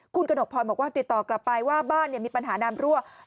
คุณกระหนกพรบอกว่าติดต่อกลับไปว่าบ้านมีปัญหาน้ำรั่ว